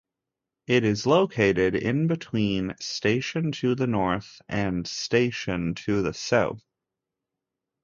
It is located in between station to the north and station to the south.